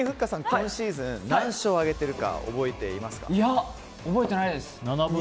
今シーズン、何勝挙げているか覚えてないです。